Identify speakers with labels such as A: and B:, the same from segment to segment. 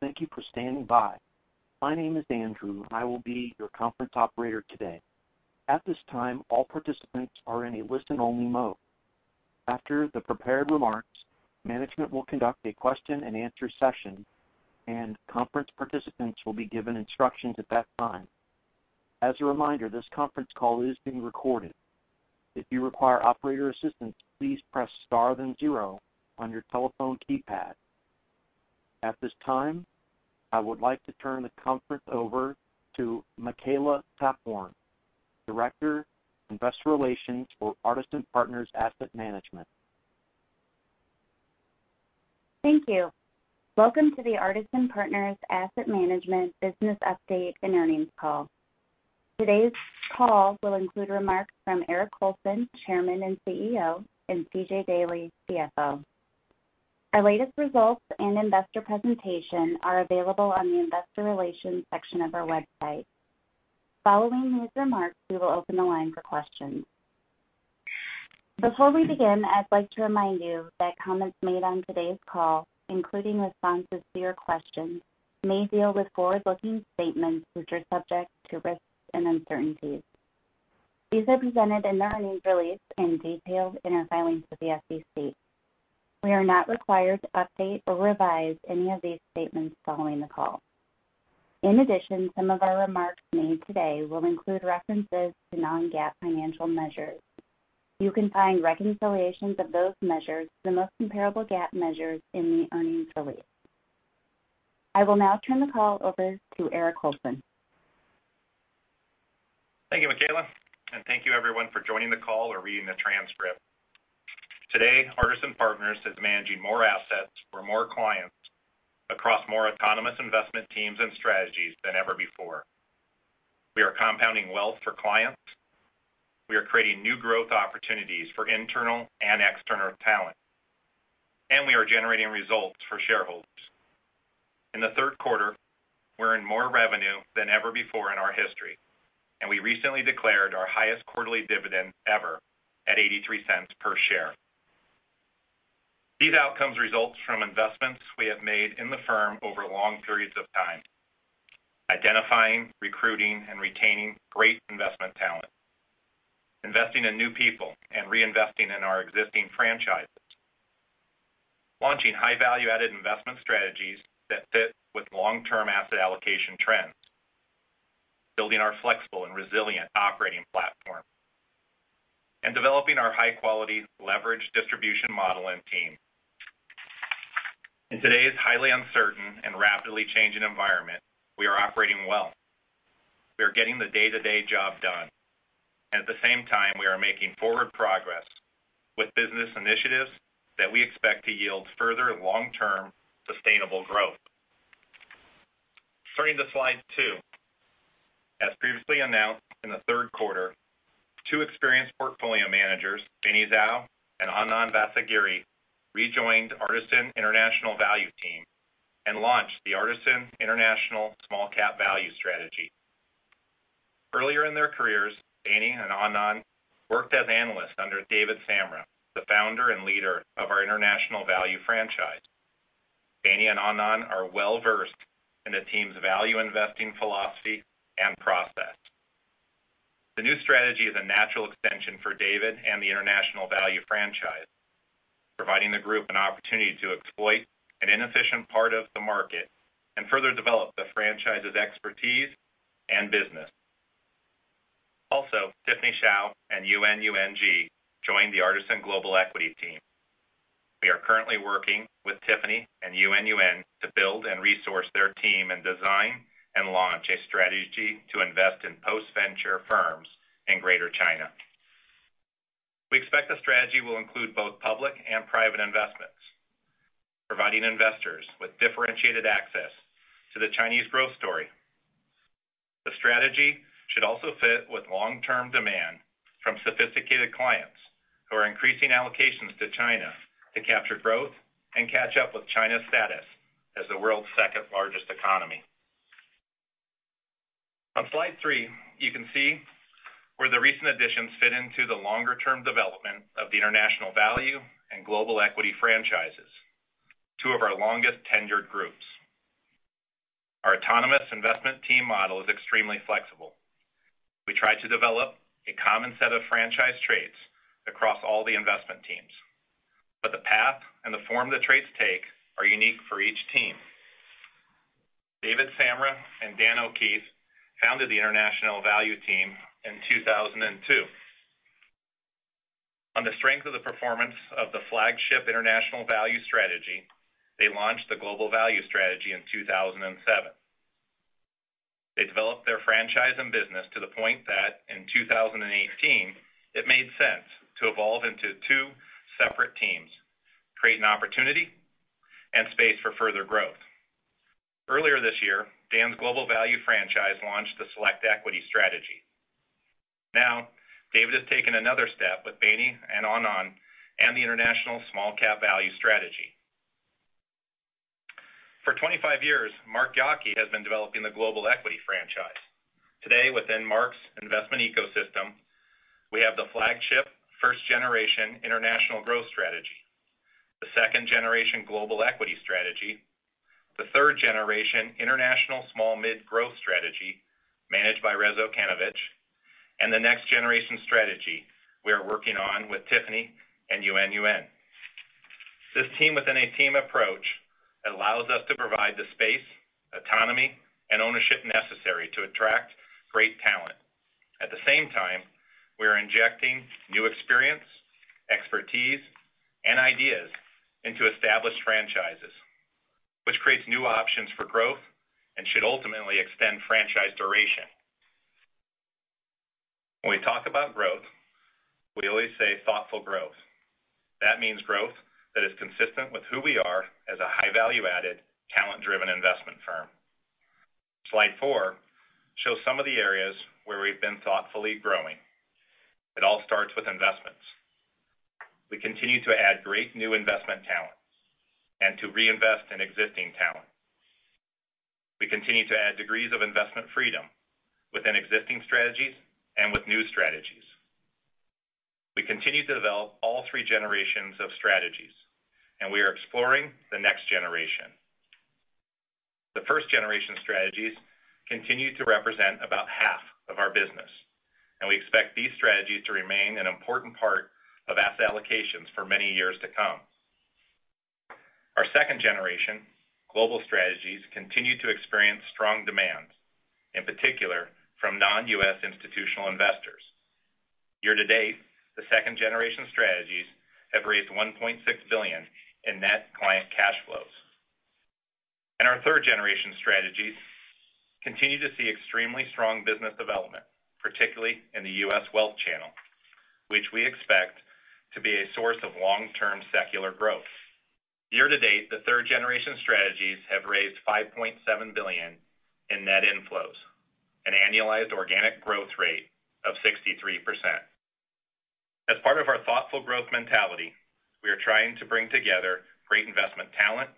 A: Hello, and thank you for standing by. My name is Andrew, and I will be your conference operator today. At this time, all participants are in a listen-only mode. After the prepared remarks, management will conduct a question and answer session, and conference participants will be given instructions at that time. As a reminder, this conference call is being recorded. If you require operator assistance, please press star then zero on your telephone keypad. At this time, I would like to turn the conference over to Makela Taphorn, Director, Investor Relations for Artisan Partners Asset Management.
B: Thank you. Welcome to the Artisan Partners Asset Management business update and earnings call. Today's call will include remarks from Eric Colson, Chairman and CEO, and C.J. Daley, CFO. Our latest results and investor presentation are available on the investor relations section of our website. Following these remarks, we will open the line for questions. Before we begin, I'd like to remind you that comments made on today's call, including responses to your questions, may deal with forward-looking statements, which are subject to risks and uncertainties. These are presented in the earnings release and detailed in our filings with the SEC. We are not required to update or revise any of these statements following the call. In addition, some of our remarks made today will include references to non-GAAP financial measures. You can find reconciliations of those measures to the most comparable GAAP measures in the earnings release. I will now turn the call over to Eric Colson.
C: Thank you, Makela. Thank you everyone for joining the call or reading the transcript. Today, Artisan Partners is managing more assets for more clients across more autonomous investment teams and strategies than ever before. We are compounding wealth for clients. We are creating new growth opportunities for internal and external talent. We are generating results for shareholders. In the third quarter, we earned more revenue than ever before in our history, and we recently declared our highest quarterly dividend ever at $0.83 per share. These outcomes result from investments we have made in the firm over long periods of time. Identifying, recruiting, and retaining great investment talent, investing in new people, and reinvesting in our existing franchises, launching high value-added investment strategies that fit with long-term asset allocation trends, building our flexible and resilient operating platform, and developing our high-quality leverage distribution model and team. In today's highly uncertain and rapidly changing environment, we are operating well. We are getting the day-to-day job done. At the same time, we are making forward progress with business initiatives that we expect to yield further long-term sustainable growth. Turning to slide two. As previously announced in the third quarter, two experienced portfolio managers, Beini Zhou and Anand Vasagiri, rejoined Artisan International Value team and launched the Artisan International Small Cap Value strategy. Earlier in their careers, Beini and Anand worked as analysts under David Samra, the founder and leader of our International Value franchise. B and Anand are well-versed in the team's value investing philosophy and process. The new strategy is a natural extension for David and the International Value franchise, providing the group an opportunity to exploit an inefficient part of the market and further develop the franchise's expertise and business. Also, Tiffany Hsiao and Yuanyuan Ji joined the Artisan Global Equity team. We are currently working with Tiffany and Yuanyuan to build and resource their team and design and launch a strategy to invest in post-venture firms in Greater China. We expect the strategy will include both public and private investments, providing investors with differentiated access to the Chinese growth story. The strategy should also fit with long-term demand from sophisticated clients who are increasing allocations to China to capture growth and catch up with China's status as the world's second-largest economy. On slide three, you can see where the recent additions fit into the longer-term development of the International Value and Global Equity franchises, two of our longest-tenured groups. Our autonomous investment team model is extremely flexible. We try to develop a common set of franchise traits across all the investment teams. The path and the form the traits take are unique for each team. David Samra and Dan O'Keefe founded the International Value Team in 2002. On the strength of the performance of the flagship Artisan International Value strategy, they launched the Global Value strategy in 2007. They developed their franchise and business to the point that in 2018, it made sense to evolve into two separate teams, create an opportunity, and space for further growth. Earlier this year, Dan's Global Value franchise launched the Select Equity strategy. Now, David has taken another step with Beini and Anand and the Artisan International Small Cap Value strategy. For 25 years, Mark Yockey has been developing the Global Equity franchise. Today, within Mark's investment ecosystem, we have the flagship first-generation international growth strategy, the second-generation Global Equity strategy, the third-generation international small/mid growth strategy managed by Rezo Kanovich, and the next-generation strategy we are working on with Tiffany and Yuanyuan Ji. This team-within-a-team approach allows us to provide the space, autonomy, and ownership necessary to attract great talent. At the same time, we are injecting new experience, expertise, and ideas into established franchises, which creates new options for growth and should ultimately extend franchise duration. When we talk about growth, we always say thoughtful growth. That means growth that is consistent with who we are as a high value-added, talent-driven investment firm. Slide four shows some of the areas where we've been thoughtfully growing. It all starts with investments. We continue to add great new investment talent and to reinvest in existing talent. We continue to add degrees of investment freedom within existing strategies and with new strategies. We continue to develop all three generations of strategies. We are exploring the next generation. The first-generation strategies continue to represent about half of our business. We expect these strategies to remain an important part of asset allocations for many years to come. Our second-generation global strategies continue to experience strong demand, in particular from non-U.S. institutional investors. Year-to-date, the second-generation strategies have raised $1.6 billion in net client cash flows. Our third-generation strategies continue to see extremely strong business development, particularly in the U.S. wealth channel, which we expect to be a source of long-term secular growth. Year-to-date, the third-generation strategies have raised $5.7 billion in net inflows, an annualized organic growth rate of 63%. As part of our thoughtful growth mentality, we are trying to bring together great investment talent,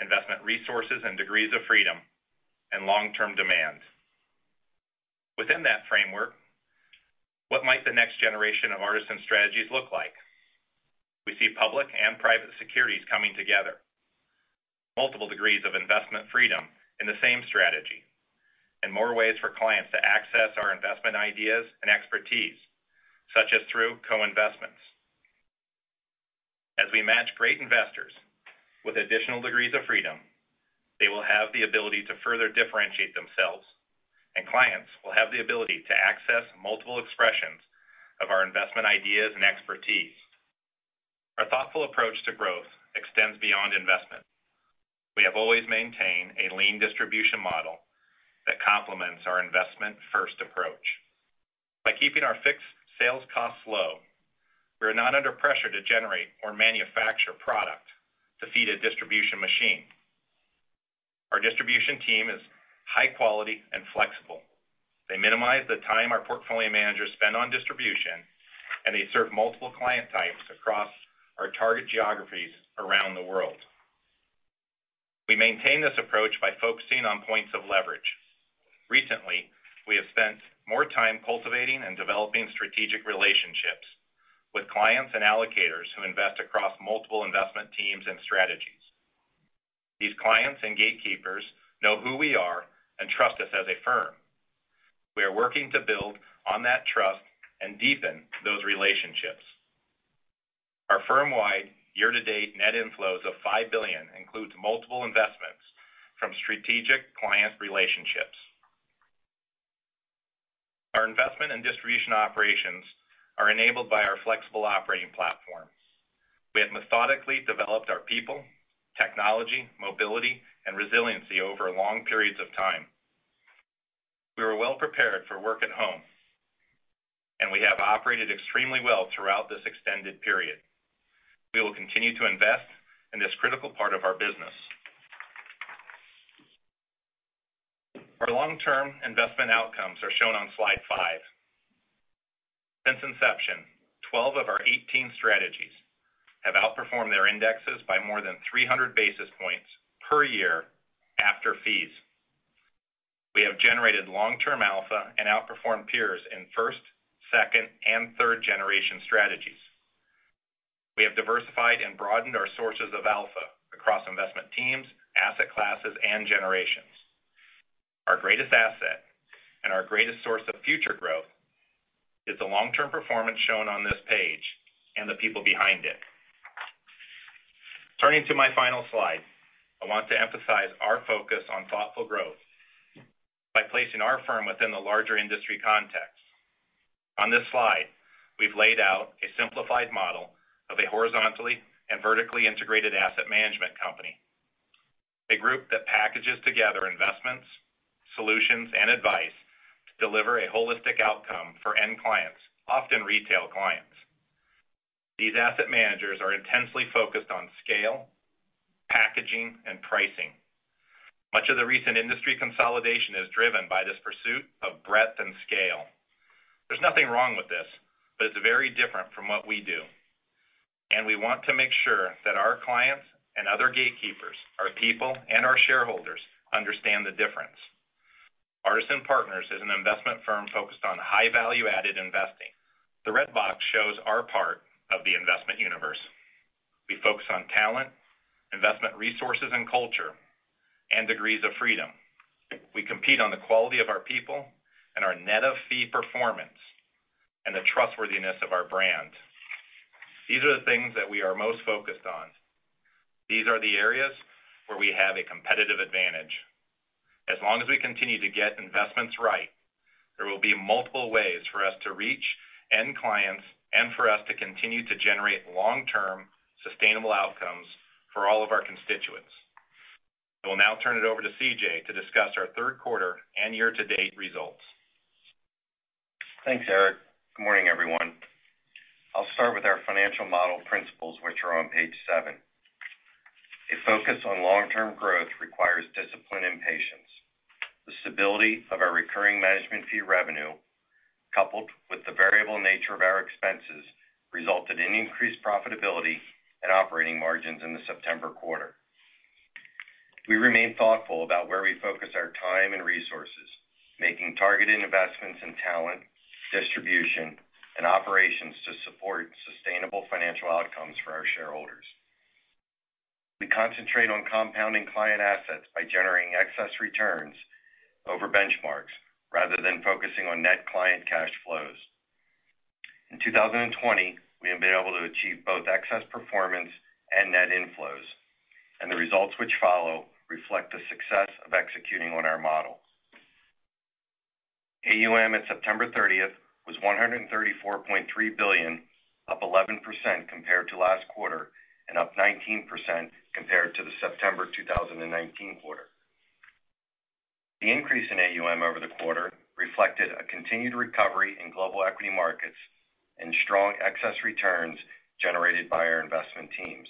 C: investment resources, and degrees of freedom and long-term demand. Within that framework, what might the next generation of Artisan strategies look like? We see public and private securities coming together, multiple degrees of investment freedom in the same strategy, and more ways for clients to access our investment ideas and expertise, such as through co-investments. As we match great investors with additional degrees of freedom, they will have the ability to further differentiate themselves, and clients will have the ability to access multiple expressions of our investment ideas and expertise. Our thoughtful approach to growth extends beyond investment. We have always maintained a lean distribution model that complements our investment-first approach. By keeping our fixed sales costs low, we are not under pressure to generate or manufacture product to feed a distribution machine. Our distribution team is high quality and flexible. They minimize the time our portfolio managers spend on distribution, and they serve multiple client types across our target geographies around the world. We maintain this approach by focusing on points of leverage. Recently, we have spent more time cultivating and developing strategic relationships with clients and allocators who invest across multiple investment teams and strategies. These clients and gatekeepers know who we are and trust us as a firm. We are working to build on that trust and deepen those relationships. Our firm-wide year-to-date net inflows of $5 billion includes multiple investments from strategic client relationships. Our investment and distribution operations are enabled by our flexible operating platform. We have methodically developed our people, technology, mobility, and resiliency over long periods of time. We were well-prepared for work at home, and we have operated extremely well throughout this extended period. We will continue to invest in this critical part of our business. Our long-term investment outcomes are shown on slide five. Since inception, 12 of our 18 strategies have outperformed their indexes by more than 300 basis points per year after fees. We have generated long-term alpha and outperformed peers in first, second, and third-generation strategies. We have diversified and broadened our sources of alpha across investment teams, asset classes, and generations. Our greatest asset and our greatest source of future growth is the long-term performance shown on this page and the people behind it. Turning to my final slide, I want to emphasize our focus on thoughtful growth by placing our firm within the larger industry context. On this slide, we've laid out a simplified model of a horizontally and vertically integrated asset management company, a group that packages together investments, solutions, and advice to deliver a holistic outcome for end clients, often retail clients. These asset managers are intensely focused on scale, packaging, and pricing. Much of the recent industry consolidation is driven by this pursuit of breadth and scale. There's nothing wrong with this, but it's very different from what we do. We want to make sure that our clients and other gatekeepers, our people, and our shareholders understand the difference. Artisan Partners is an investment firm focused on high value-added investing. The red box shows our part of the investment universe. We focus on talent, investment resources and culture, and degrees of freedom. We compete on the quality of our people and our net of fee performance, and the trustworthiness of our brand. These are the things that we are most focused on. These are the areas where we have a competitive advantage. As long as we continue to get investments right, there will be multiple ways for us to reach end clients and for us to continue to generate long-term sustainable outcomes for all of our constituents. I will now turn it over to C.J. to discuss our third quarter and year-to-date results.
D: Thanks, Eric. Good morning, everyone. I'll start with our financial model principles, which are on page seven. A focus on long-term growth requires discipline and patience. The stability of our recurring management fee revenue, coupled with the variable nature of our expenses, resulted in increased profitability and operating margins in the September quarter. We remain thoughtful about where we focus our time and resources, making targeted investments in talent, distribution, and operations to support sustainable financial outcomes for our shareholders. We concentrate on compounding client assets by generating excess returns over benchmarks, rather than focusing on net client cash flows. In 2020, we have been able to achieve both excess performance and net inflows, and the results which follow reflect the success of executing on our model. AUM at September 30th was $134.3 billion, up 11% compared to last quarter, and up 19% compared to the September 2019 quarter. The increase in AUM over the quarter reflected a continued recovery in global equity markets and strong excess returns generated by our investment teams.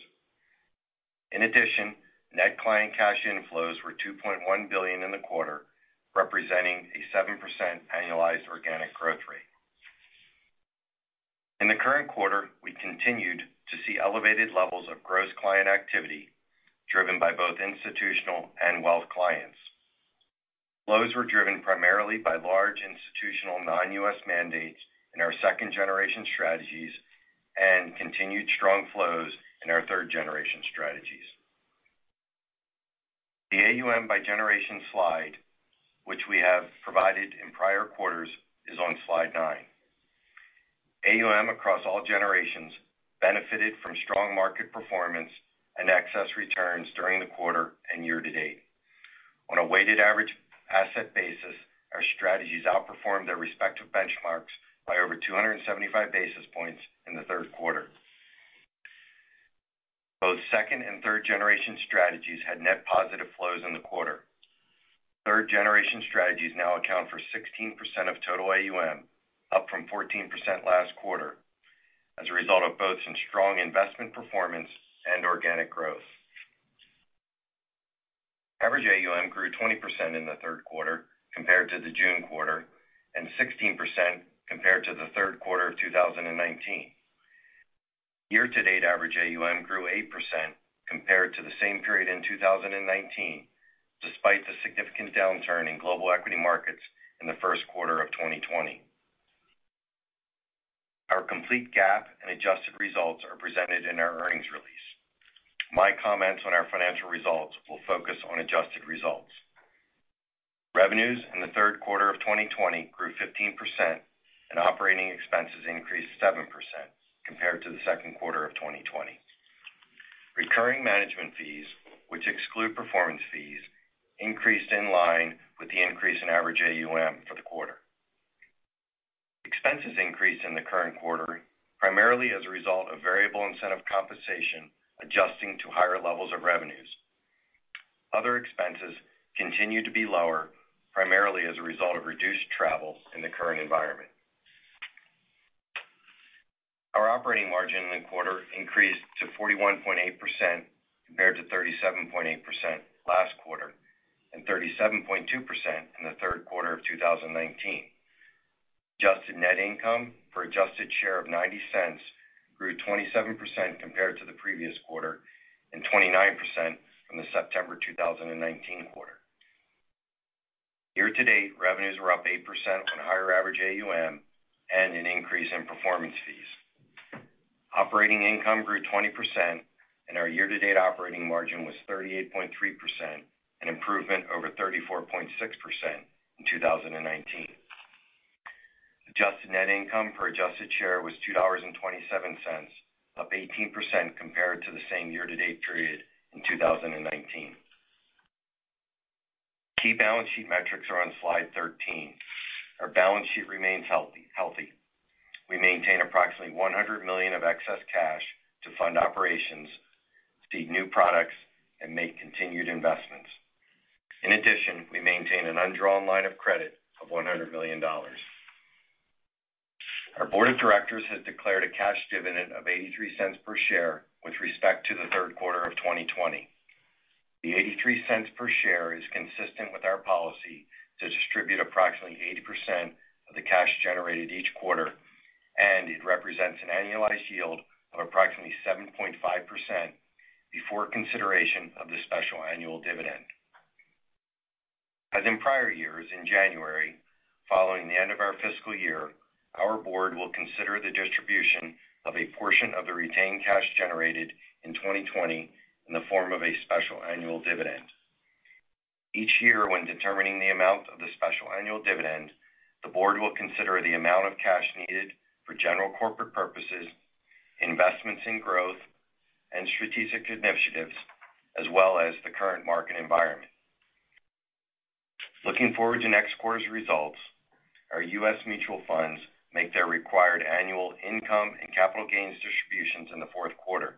D: In addition, net client cash inflows were $2.1 billion in the quarter, representing a 7% annualized organic growth rate. In the current quarter, we continued to see elevated levels of gross client activity driven by both institutional and wealth clients. Flows were driven primarily by large institutional non-U.S. mandates in our second-generation strategies and continued strong flows in our third-generation strategies. The AUM by generation slide, which we have provided in prior quarters, is on slide nine. AUM across all generations benefited from strong market performance and excess returns during the quarter and year to date. On a weighted average asset basis, our strategies outperformed their respective benchmarks by over 275 basis points in the third quarter. Both Second generation and Third generation strategies had net positive flows in the quarter. Third generation strategies now account for 16% of total AUM, up from 14% last quarter, as a result of both some strong investment performance and organic growth. Average AUM grew 20% in the third quarter compared to the June quarter, and 16% compared to the third quarter of 2019. Year to date, average AUM grew 8% compared to the same period in 2019, despite the significant downturn in global equity markets in the first quarter of 2020. Our complete GAAP and adjusted results are presented in our earnings release. My comments on our financial results will focus on adjusted results. Revenues in the third quarter of 2020 grew 15%, and operating expenses increased 7% compared to the second quarter of 2020. Recurring management fees, which exclude performance fees, increased in line with the increase in average AUM for the quarter. Expenses increased in the current quarter primarily as a result of variable incentive compensation adjusting to higher levels of revenues. Other expenses continue to be lower, primarily as a result of reduced travel in the current environment. Our operating margin in the quarter increased to 41.8% compared to 37.8% last quarter and 37.2% in the third quarter of 2019. Adjusted net income per adjusted share of $0.90 grew 27% compared to the previous quarter and 29% from the September 2019 quarter. Year-to-date, revenues were up 8% on higher average AUM and an increase in performance fees. Operating income grew 20%, and our year-to-date operating margin was 38.3%, an improvement over 34.6% in 2019. Adjusted net income per adjusted share was $2.27, up 18% compared to the same year-to-date period in 2019. Key balance sheet metrics are on slide 13. Our balance sheet remains healthy. We maintain approximately $100 million of excess cash to fund operations, seed new products, and make continued investments. In addition, we maintain an undrawn line of credit of $100 million. Our board of directors has declared a cash dividend of $0.83 per share with respect to the third quarter of 2020. The $0.83 per share is consistent with our policy to distribute approximately 80% of the cash generated each quarter, and it represents an annualized yield of approximately 7.5% before consideration of the special annual dividend. As in prior years, in January, following the end of our fiscal year, our board will consider the distribution of a portion of the retained cash generated in 2020 in the form of a special annual dividend. Each year, when determining the amount of the special annual dividend, the board will consider the amount of cash needed for general corporate purposes, investments in growth and strategic initiatives, as well as the current market environment. Looking forward to next quarter's results, our U.S. mutual funds make their required annual income and capital gains distributions in the fourth quarter.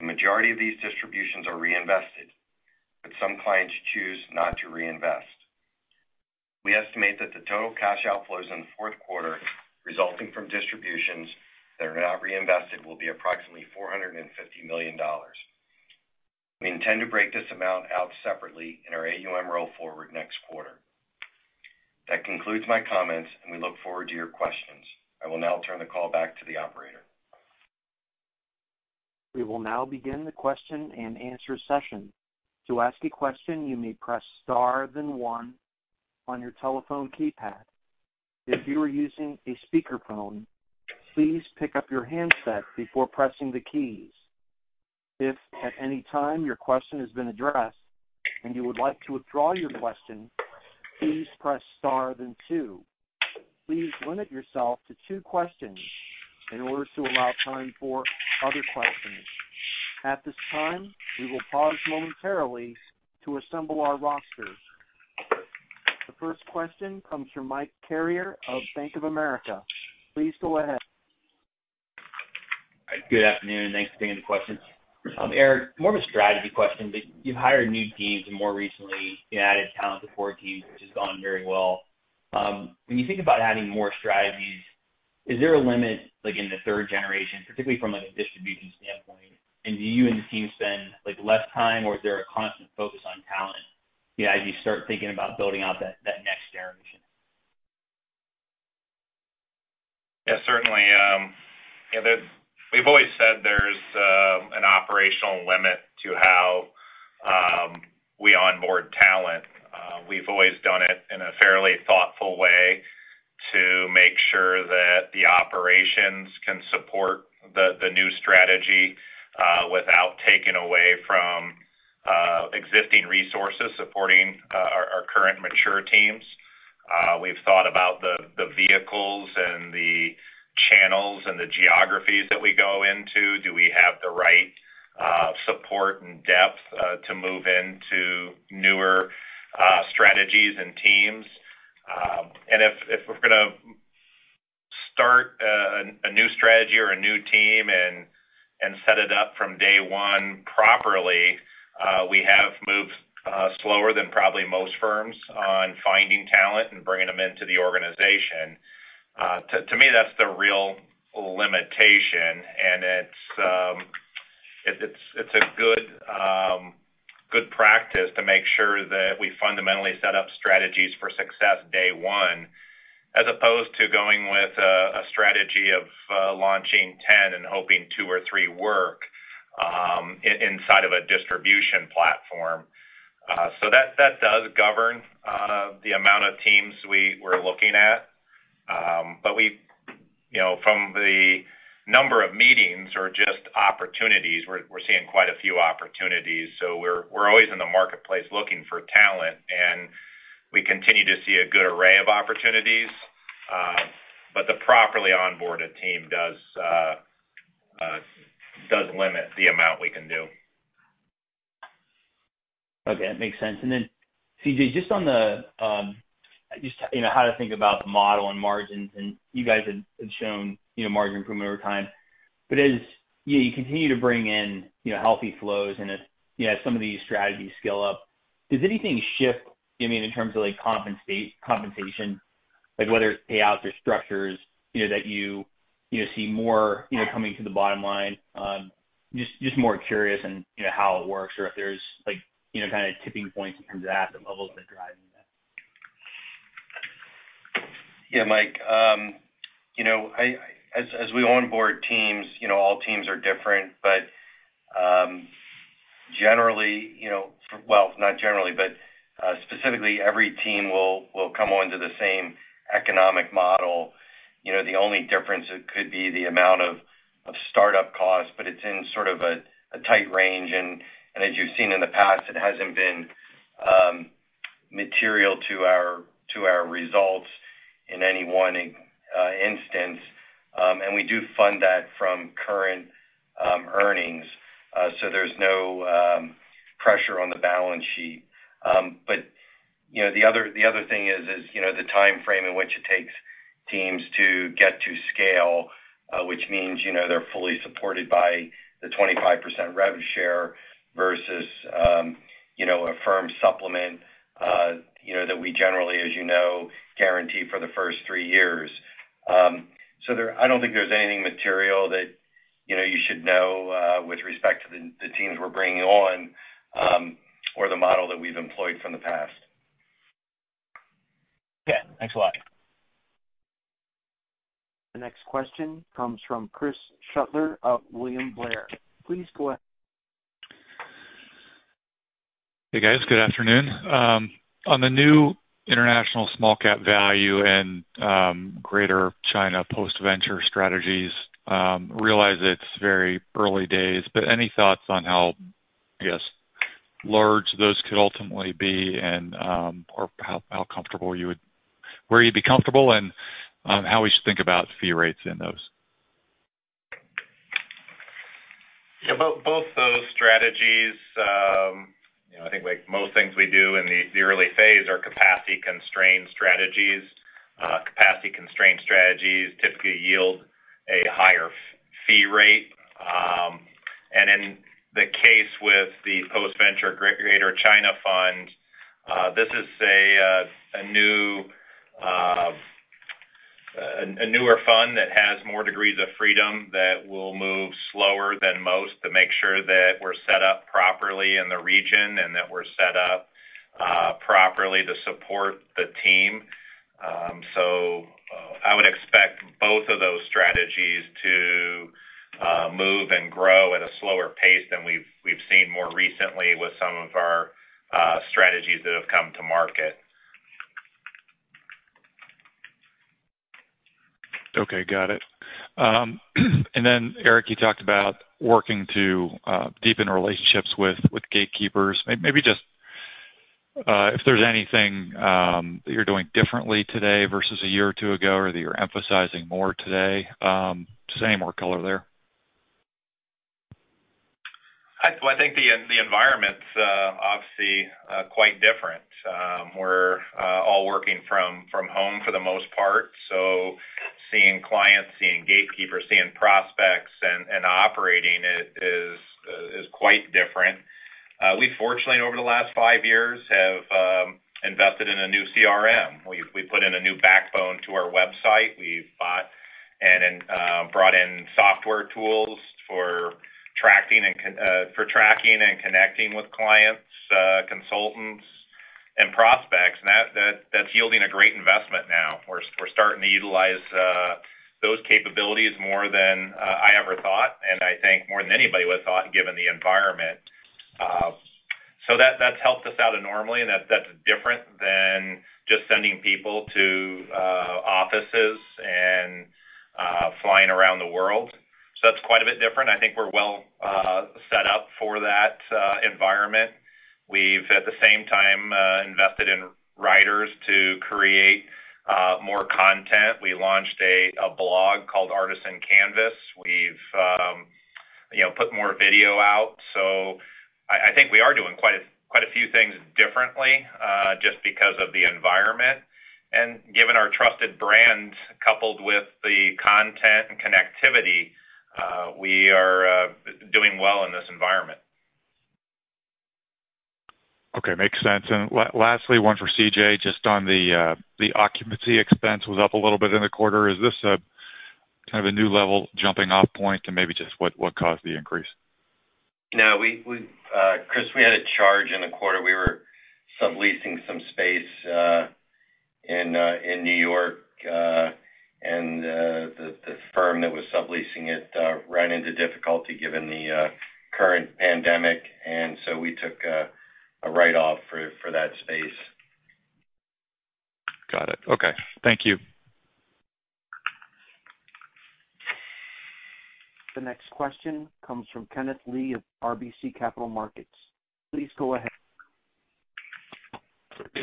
D: The majority of these distributions are reinvested, but some clients choose not to reinvest. We estimate that the total cash outflows in the fourth quarter resulting from distributions that are not reinvested will be approximately $450 million. We intend to break this amount out separately in our AUM roll forward next quarter. That concludes my comments. We look forward to your questions. I will now turn the call back to the operator.
A: We will now begin the question and answer session. To ask a question, you may press star then one on your telephone keypad. If you are using a speakerphone, please pick up your handset before pressing the keys. If, at any time, your question has been addressed and you would like to withdraw your question, please press star then two. Please limit yourself to two questions in order to allow time for other questions. At this time, we will pause momentarily to assemble our rosters. The first question comes from Mike Carrier of Bank of America. Please go ahead.
E: Good afternoon, and thanks for taking the questions. Eric Colson, more of a strategy question, but you've hired new teams and more recently, you added talent to core teams, which has gone very well. When you think about adding more strategies, is there a limit, like in the Third Generation, particularly from a distribution standpoint? Do you and the team spend less time, or is there a constant focus on talent as you start thinking about building out that Next Generation?
C: Yes, certainly. We've always said there's an operational limit to how we onboard talent. We've always done it in a fairly thoughtful way to make sure that the operations can support the new strategy without taking away from existing resources supporting our current mature teams. We've thought about the vehicles and the channels and the geographies that we go into. Do we have the right support and depth to move into newer strategies and teams? If we're going to start a new strategy or a new team and set it up from day one properly, we have moved slower than probably most firms on finding talent and bringing them into the organization. To me, that's the real limitation. It's a good practice to make sure that we fundamentally set up strategies for success day one, as opposed to going with a strategy of launching 10 and hoping two or three work inside of a distribution platform. That does govern the amount of teams we're looking at. From the number of meetings or just opportunities, we're seeing quite a few opportunities. We're always in the marketplace looking for talent, and we continue to see a good array of opportunities. The properly onboarded team does limit the amount we can do.
E: Okay. That makes sense. Then C.J., just on how to think about the model and margins, you guys have shown margin improvement over time. As you continue to bring in healthy flows and as some of these strategies scale up, does anything shift in terms of compensation, like whether it's payouts or structures that you see more coming to the bottom line? Just more curious in how it works or if there's tipping points in terms of assets and levels that drive that.
D: Yeah, Mike. As we onboard teams, all teams are different. Specifically, every team will come onto the same economic model. The only difference could be the amount of startup costs, but it's in sort of a tight range. As you've seen in the past, it hasn't been material to our results in any one instance. We do fund that from current earnings. There's no pressure on the balance sheet. The other thing is the timeframe in which it takes teams to get to scale, which means they're fully supported by the 25% revenue share versus a firm supplement that we generally, as you know, guarantee for the first three years. I don't think there's anything material that you should know with respect to the teams we're bringing on, or the model that we've employed from the past.
E: Okay. Thanks a lot.
A: The next question comes from Chris Shutler of William Blair. Please go ahead.
F: Hey, guys. Good afternoon. On the new Artisan International Small Cap Value and Greater China post-venture strategies, realize it's very early days, but any thoughts on how, I guess, large those could ultimately be and where you'd be comfortable, and how we should think about fee rates in those?
C: Yeah. Both those strategies, I think like most things we do in the early phase, are capacity-constrained strategies. Capacity-constrained strategies typically yield a higher fee rate. In the case with the post-venture Greater China Fund, this is a newer fund that has more degrees of freedom that will move slower than most to make sure that we're set up properly in the region and that we're set up properly to support the team. I would expect both of those strategies to move and grow at a slower pace than we've seen more recently with some of our strategies that have come to market.
F: Okay, got it. Eric, you talked about working to deepen relationships with gatekeepers. Maybe just if there's anything that you're doing differently today versus a year or two ago, or that you're emphasizing more today, just any more color there.
C: Well, I think the environment's obviously quite different. We're all working from home for the most part, seeing clients, seeing gatekeepers, seeing prospects, and operating is quite different. We fortunately, over the last five years, have invested in a new CRM. We put in a new backbone to our website. We've bought and brought in software tools for tracking and connecting with clients, consultants, and prospects, that's yielding a great investment now. We're starting to utilize those capabilities more than I ever thought, I think more than anybody would've thought, given the environment. That's helped us out enormously, that's different than just sending people to offices and flying around the world. That's quite a bit different. I think we're well set up for that environment. We've, at the same time, invested in writers to create more content. We launched a blog called "Artisan Canvas." We've put more video out. I think we are doing quite a few things differently, just because of the environment. Given our trusted brand coupled with the content and connectivity, we are doing well in this environment.
F: Okay. Makes sense. Lastly, one for C.J., just on the occupancy expense was up a little bit in the quarter. Is this a kind of a new level jumping off point? Maybe just what caused the increase?
D: Chris, we had a charge in the quarter. We were subleasing some space in N.Y. The firm that was subleasing it ran into difficulty given the current pandemic. We took a write-off for that space.
F: Got it. Okay. Thank you.
A: The next question comes from Kenneth Lee of RBC Capital Markets. Please go ahead.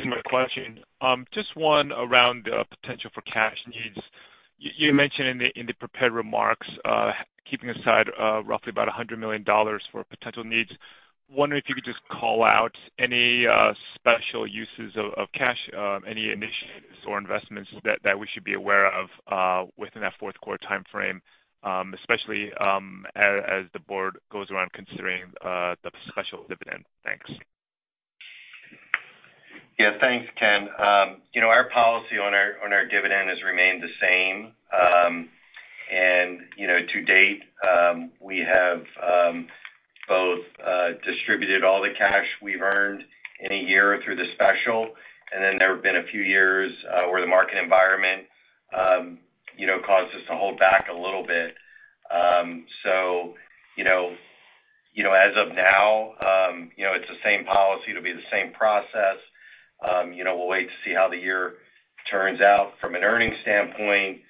G: For giving my question. Just one around the potential for cash needs. You mentioned in the prepared remarks, keeping aside roughly about $100 million for potential needs. Wondering if you could just call out any special uses of cash, any initiatives or investments that we should be aware of within that fourth-quarter timeframe, especially as the board goes around considering the special dividend. Thanks.
D: Yeah. Thanks, Ken. Our policy on our dividend has remained the same. To date, we have both distributed all the cash we've earned in a year through the special, and then there have been a few years where the market environment caused us to hold back a little bit. As of now, it's the same policy. It'll be the same process. We'll wait to see how the year turns out from an earnings standpoint.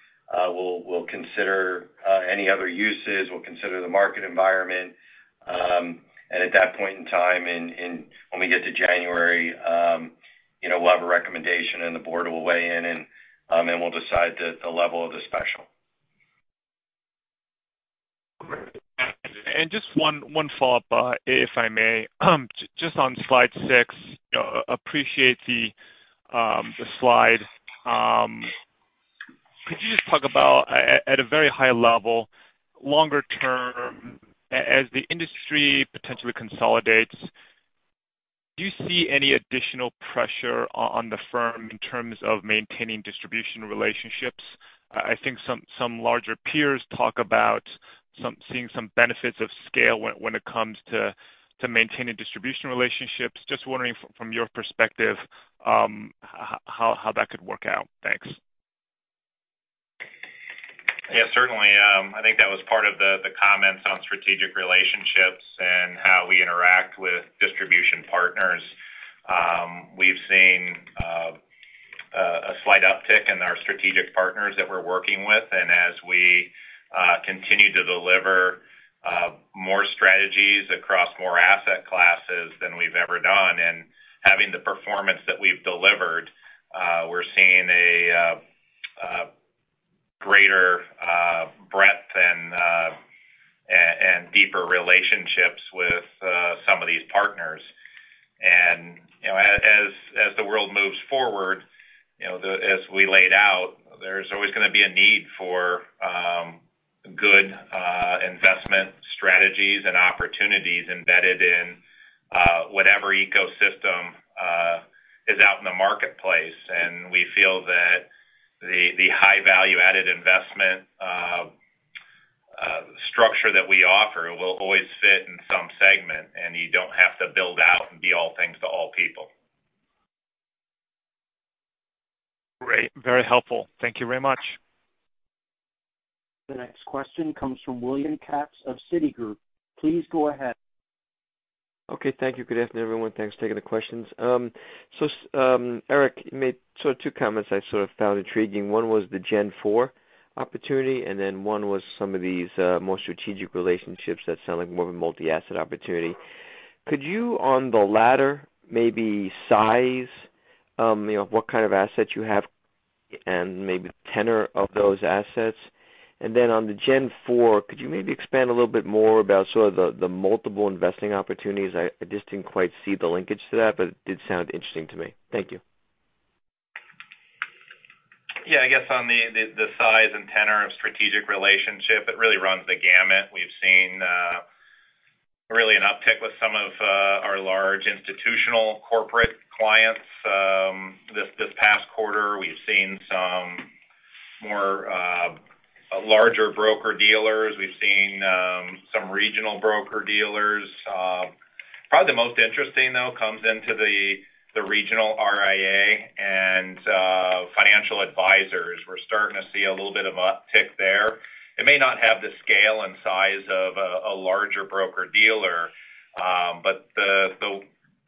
D: We'll consider any other uses. We'll consider the market environment. At that point in time, when we get to January, we'll have a recommendation, and the board will weigh in, and we'll decide the level of the special.
G: Great. Just one follow-up, if I may. Just on slide six, appreciate the slide. Could you just talk about, at a very high level, longer term, as the industry potentially consolidates. Do you see any additional pressure on the firm in terms of maintaining distribution relationships? I think some larger peers talk about seeing some benefits of scale when it comes to maintaining distribution relationships. Just wondering from your perspective, how that could work out. Thanks.
C: Yeah, certainly. I think that was part of the comments on strategic relationships and how we interact with distribution partners. We've seen a slight uptick in our strategic partners that we're working with. As we continue to deliver more strategies across more asset classes than we've ever done, and having the performance that we've delivered, we're seeing a greater breadth and deeper relationships with some of these partners. As the world moves forward, as we laid out, there's always going to be a need for good investment strategies and opportunities embedded in whatever ecosystem is out in the marketplace. We feel that the high value-added investment structure that we offer will always fit in some segment, and you don't have to build out and be all things to all people.
G: Great. Very helpful. Thank you very much.
A: The next question comes from William Katz of Citigroup. Please go ahead.
H: Okay, thank you. Good afternoon, everyone. Thanks for taking the questions. Eric, you made two comments I sort of found intriguing. One was the Gen Four opportunity, and then one was some of these more strategic relationships that sound like more of a multi-asset opportunity. Could you, on the latter, maybe size what kind of assets you have and maybe the tenor of those assets? On the Gen Four, could you maybe expand a little bit more about sort of the multiple investing opportunities? I just didn't quite see the linkage to that, but it did sound interesting to me. Thank you.
C: Yeah, I guess on the size and tenor of strategic relationship, it really runs the gamut. We've seen really an uptick with some of our large institutional corporate clients this past quarter. We've seen some more larger broker-dealers. We've seen some regional broker-dealers. Probably the most interesting, though, comes into the regional RIA and financial advisors. We're starting to see a little bit of uptick there. It may not have the scale and size of a larger broker-dealer, but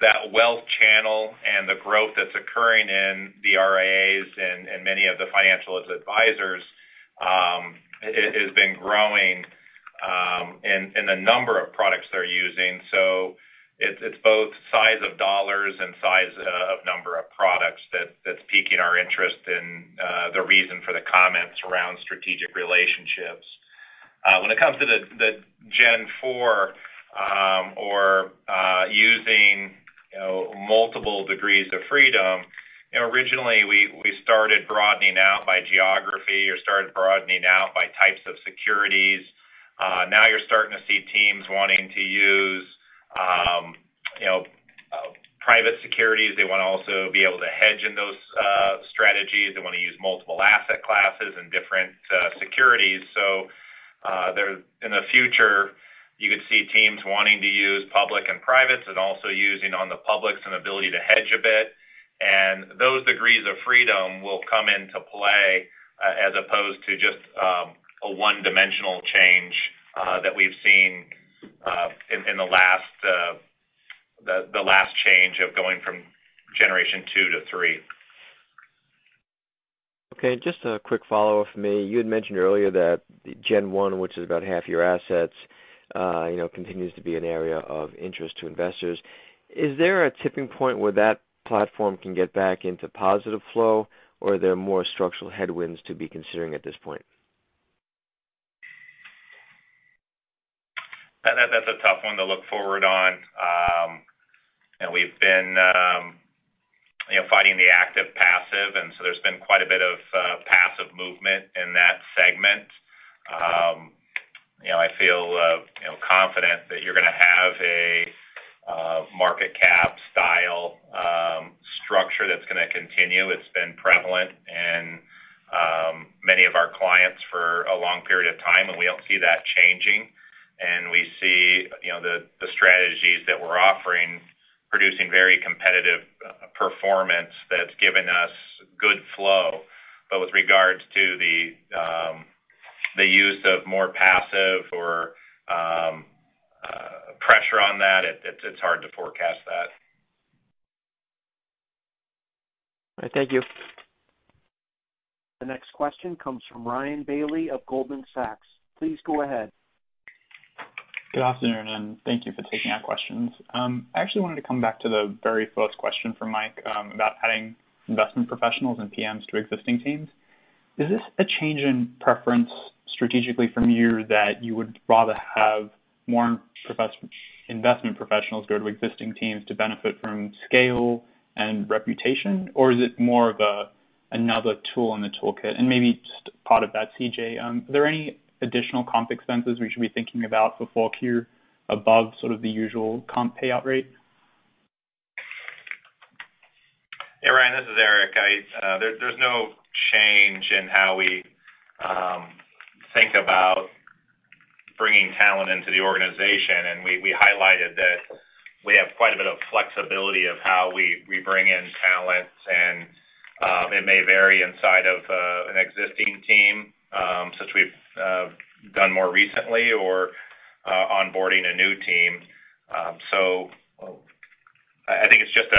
C: that wealth channel and the growth that's occurring in the RIAs and many of the financial advisors has been growing in the number of products they're using. It's both size of dollars and size of number of products that's piquing our interest and the reason for the comments around strategic relationships. When it comes to the Gen Four or using multiple degrees of freedom, originally, we started broadening out by geography or started broadening out by types of securities. You're starting to see teams wanting to use private securities. They want to also be able to hedge in those strategies. They want to use multiple asset classes and different securities. So in the future, you could see teams wanting to use public and privates and also using on the public some ability to hedge a bit. And those degrees of freedom will come into play as opposed to just a one-dimensional change that we've seen in the last change of going from Gen Two to Gen Three.
H: Just a quick follow-up from me. You had mentioned earlier that Gen One, which is about half your assets, continues to be an area of interest to investors. Is there a tipping point where that platform can get back into positive flow, or are there more structural headwinds to be considering at this point?
C: That's a tough one to look forward on. We've been fighting the active-passive, there's been quite a bit of passive movement in that segment. I feel confident that you're going to have a market cap style structure that's going to continue. It's been prevalent in many of our clients for a long period of time, and we don't see that changing. We see the strategies that we're offering producing very competitive performance that's given us good flow. With regards to the use of more passive or pressure on that, it's hard to forecast that.
H: All right, thank you.
A: The next question comes from Ryan Bailey of Goldman Sachs. Please go ahead.
I: Good afternoon, thank you for taking our questions. I actually wanted to come back to the very first question from Mike Carrier about adding investment professionals and PMs to existing teams. Is this a change in preference strategically from you that you would rather have more investment professionals go to existing teams to benefit from scale and reputation? Is it more of another tool in the toolkit? Maybe just part of that, C.J. Are there any additional comp expenses we should be thinking about for 4Q above sort of the usual comp payout rate?
C: Hey, Ryan, this is Eric. There's no change in how we think about bringing talent into the organization. We highlighted that we have quite a bit of flexibility of how we bring in talent. It may vary inside of an existing team, since we've done more recently, or onboarding a new team. I think it's just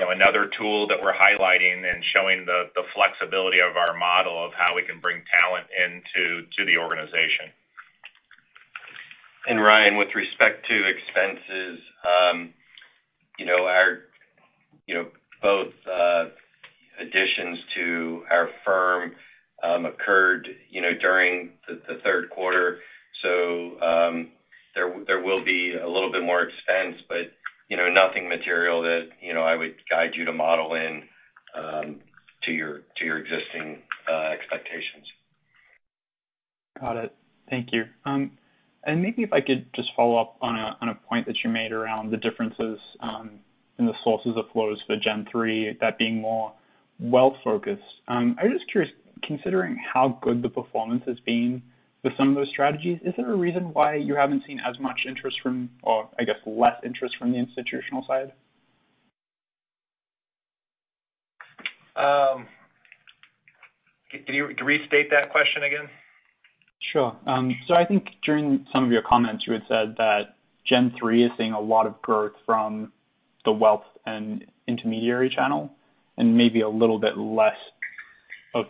C: another tool that we're highlighting and showing the flexibility of our model of how we can bring talent into the organization. Ryan, with respect to expenses, both additions to our firm occurred during the third quarter. There will be a little bit more expense, but nothing material that I would guide you to model in to your existing expectations.
I: Got it. Thank you. Maybe if I could just follow up on a point that you made around the differences in the sources of flows for Gen three, that being more wealth-focused. I'm just curious, considering how good the performance has been for some of those strategies, is there a reason why you haven't seen as much interest from or I guess less interest from the institutional side?
C: Can you restate that question again?
I: Sure. I think during some of your comments, you had said that Gen three is seeing a lot of growth from the wealth and intermediary channel and maybe a little bit less of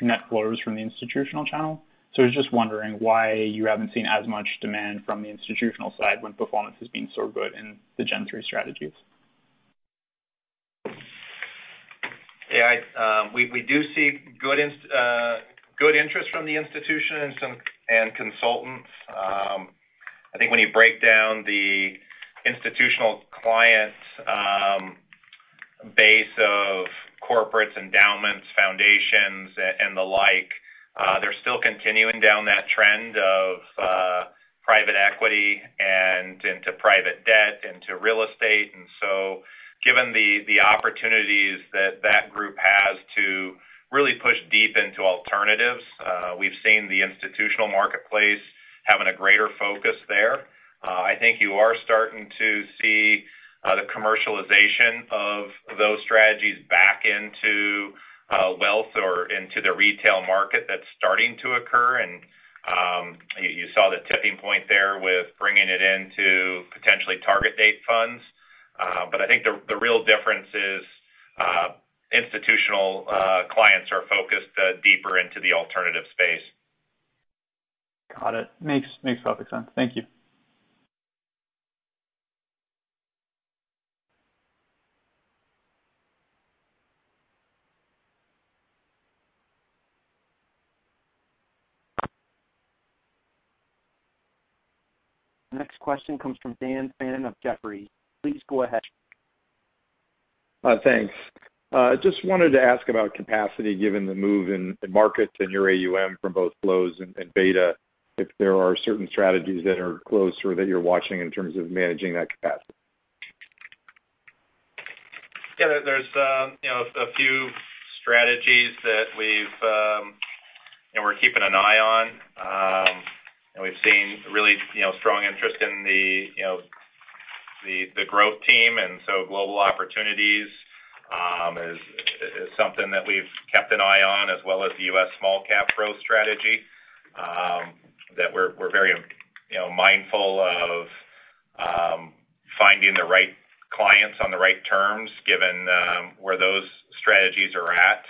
I: net flows from the institutional channel. I was just wondering why you haven't seen as much demand from the institutional side when performance has been so good in the Gen three strategies?
C: Yeah. We do see good interest from the institution and consultants. I think when you break down the institutional client base of corporates, endowments, foundations, and the like, they're still continuing down that trend of private equity and into private debt, into real estate. Given the opportunities that that group has to really push deep into alternatives, we've seen the institutional marketplace having a greater focus there. I think you are starting to see the commercialization of those strategies back into wealth or into the retail market that's starting to occur. You saw the tipping point there with bringing it into potentially target date funds. I think the real difference is institutional clients are focused deeper into the alternative space.
I: Got it. Makes perfect sense. Thank you.
A: Next question comes from Dan Fannon of Jefferies. Please go ahead.
J: Thanks. Just wanted to ask about capacity given the move in markets and your AUM from both flows and beta, if there are certain strategies that are close or that you're watching in terms of managing that capacity?
C: Yeah, there's a few strategies that we're keeping an eye on. We've seen really strong interest in the Growth Team, and so Global Opportunities is something that we've kept an eye on, as well as the U.S. Small-Cap Growth strategy, that we're very mindful of finding the right clients on the right terms given where those strategies are at.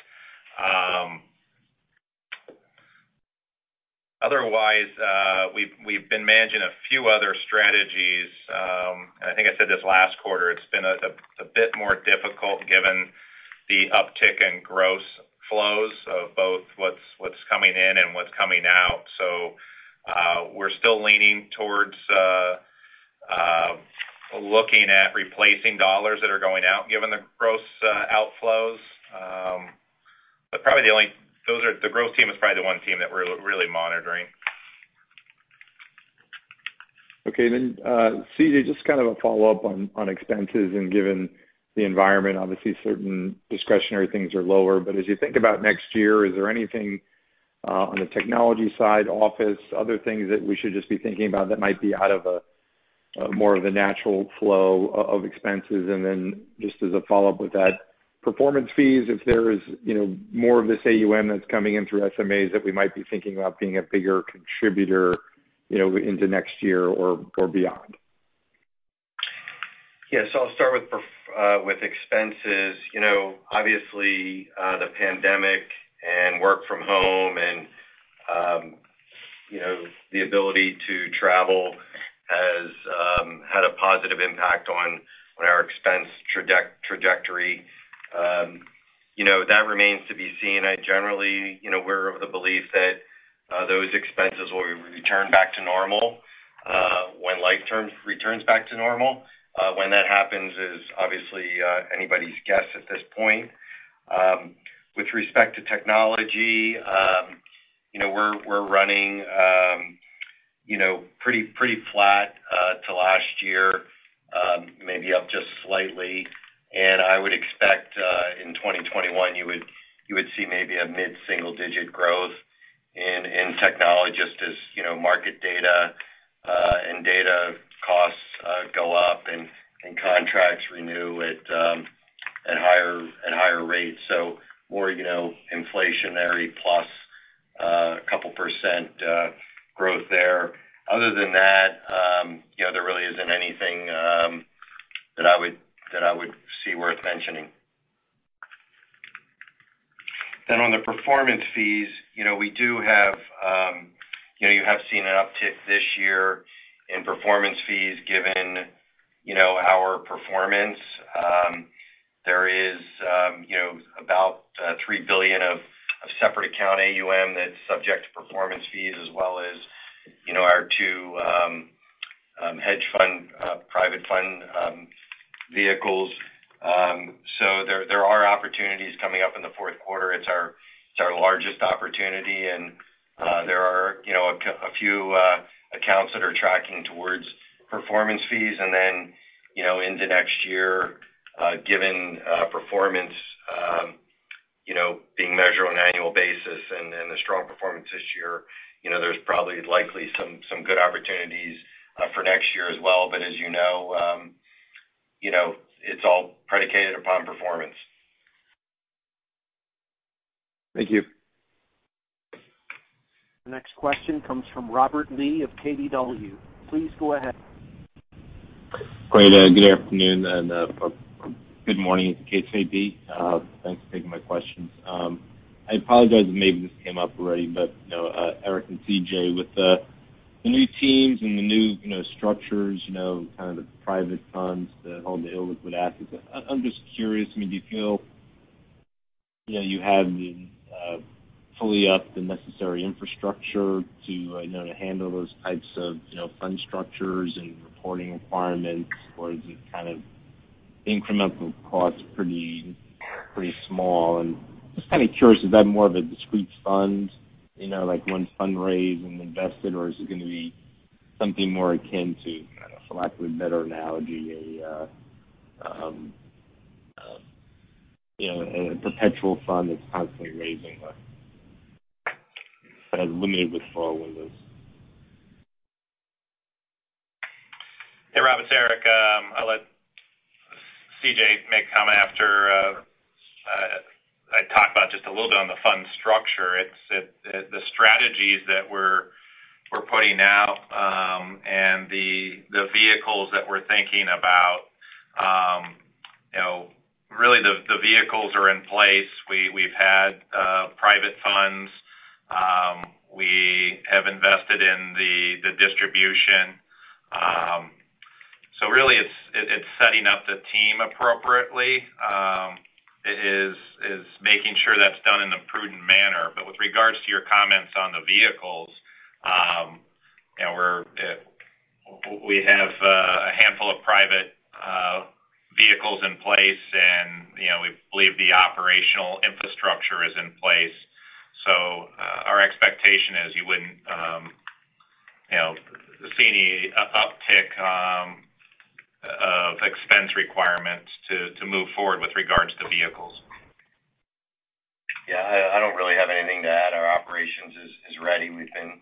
C: Otherwise, we've been managing a few other strategies. I think I said this last quarter, it's been a bit more difficult given the uptick in gross flows of both what's coming in and what's coming out. We're still leaning towards looking at replacing dollars that are going out given the gross outflows. The Growth Team is probably the one team that we're really monitoring.
J: Okay. CJ, just kind of a follow-up on expenses and given the environment, obviously certain discretionary things are lower. As you think about next year, is there anything on the technology side, office, other things that we should just be thinking about that might be out of more of the natural flow of expenses? Just as a follow-up with that, performance fees, if there is more of this AUM that's coming in through SMAs that we might be thinking about being a bigger contributor into next year or beyond.
D: I'll start with expenses. Obviously, the pandemic and work from home and the ability to travel has had a positive impact on our expense trajectory. That remains to be seen. Generally, we're of the belief that those expenses will return back to normal when life returns back to normal. When that happens is obviously anybody's guess at this point. With respect to technology, we're running pretty flat to last year, maybe up just slightly. I would expect in 2021, you would see maybe a mid-single-digit growth in technology, just as market data and data costs go up and contracts renew at higher rates. More inflationary plus a couple percent growth there. Other than that, there really isn't anything that I would see worth mentioning. On the performance fees, you have seen an uptick this year in performance fees given our performance. There is about $3 billion of separate account AUM that's subject to performance fees, as well as our two hedge fund, private fund vehicles. There are opportunities coming up in the fourth quarter. It's our largest opportunity, and there are a few accounts that are tracking towards performance fees. Into next year, given performance being measured on an annual basis and the strong performance this year, there's probably likely some good opportunities for next year as well. As you know, it's all predicated upon performance.
J: Thank you.
A: The next question comes from Robert Lee of KBW. Please go ahead.
K: Great. Good afternoon. Good morning, Thanks for taking my questions. I apologize if maybe this came up already, but Eric and C.J., with the new teams and the new structures, kind of the private funds that hold the illiquid assets, I'm just curious, do you feel you have fully up the necessary infrastructure to handle those types of fund structures and reporting requirements? Or is it kind of incremental cost pretty small? Just kind of curious, is that more of a discrete fund, like once fundraised and invested, or is it going to be something more akin to, for lack of a better analogy, a perpetual fund that's constantly raising limited withdrawal windows?
C: Hey, Robert. It's Eric. I'll let C.J. make a comment after I talk about just a little bit on the fund structure. It's the strategies that we're putting out and the vehicles that we're thinking about. Really, the vehicles are in place. We've had private funds. We have invested in the distribution. Really, it's setting up the team appropriately. It is making sure that's done in a prudent manner. With regards to your comments on the vehicles, we have a handful of private vehicles in place, and we believe the operational infrastructure is in place. Our expectation is you wouldn't see any uptick of expense requirements to move forward with regards to vehicles.
D: Yeah. I don't really have anything to add. Our operations is ready. We've been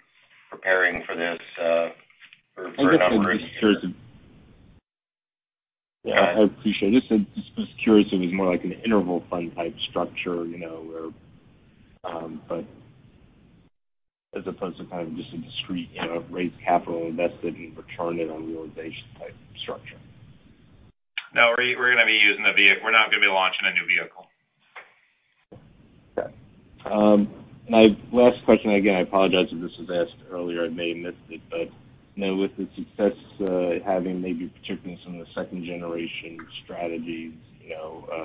D: preparing for this for a number of years.
K: Yeah, I appreciate it. Just curious if it was more like an interval fund type structure, as opposed to kind of just a discrete raised capital invested and return it on realization type of structure.
C: No, we're not going to be launching a new vehicle.
K: Okay. My last question, again, I apologize if this was asked earlier, I may have missed it. With the success having maybe particularly some of the second-generation strategies,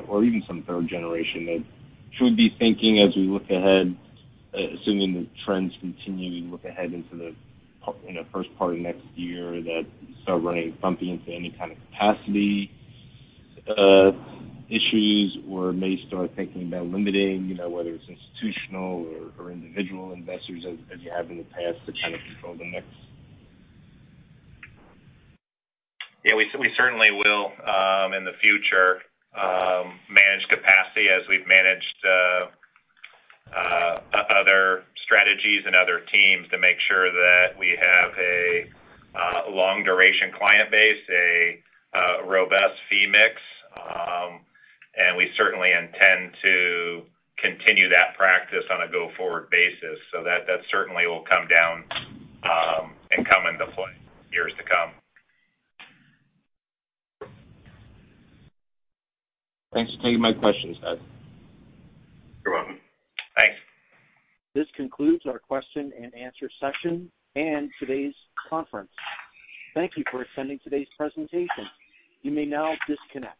K: or even some third-generation, should we be thinking as we look ahead, assuming the trends continue, look ahead into the first part of next year that you start running, bumping into any kind of capacity issues? Or may start thinking about limiting, whether it's institutional or individual investors, as you have in the past to kind of control the mix?
C: Yeah. We certainly will, in the future, manage capacity as we've managed other strategies and other teams to make sure that we have a long-duration client base, a robust fee mix. We certainly intend to continue that practice on a go-forward basis. That certainly will come down and come into play years to come.
K: Thanks for taking my questions, guys.
C: You're welcome. Thanks.
A: This concludes our question-and-answer session and today's conference. Thank you for attending today's presentation. You may now disconnect.